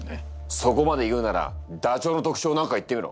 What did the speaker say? そこまで言うならダチョウの特徴何か言ってみろ！